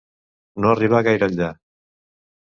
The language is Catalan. No arribar gaire enllà.